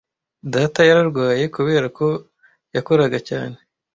Data yararwaye kubera ko yakoraga cyane.